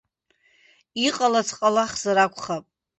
Иҟалац ҟалахзар акәхап.